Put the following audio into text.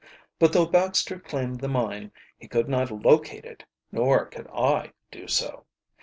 But though Baxter claimed the mine he could not locate it, nor could I do so.